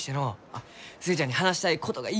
あっ寿恵ちゃんに話したいことがいっぱい。